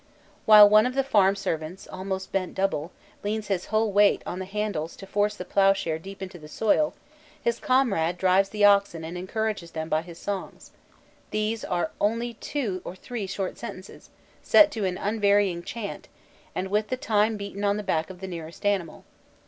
While one of the farm servants, almost bent double, leans his whole weight on the handles to force the ploughshare deep into the soil, his comrade drives the oxen and encourages them by his songs: these are only two or three short sentences, set to an unvarying chant, and with the time beaten on the back of the nearest animal.